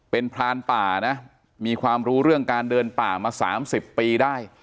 เป็นพรานป่านะมีความรู้เรื่องการเดินป่ามา๓๐ปีได้